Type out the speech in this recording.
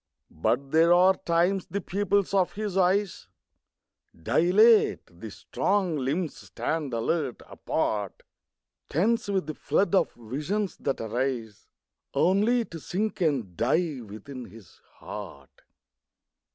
But there are times the pupils of his eyes Dilate, the strong limbs stand alert, apart, Tense with the flood of visions that arise Only to sink and die within his heart.